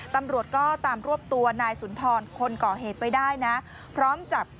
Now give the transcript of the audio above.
ตำรวจก็ตามรวบตัวนายสุนทรคนก่อเหตุไปได้นะ